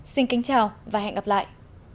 xin kính chào và hẹn gặp lại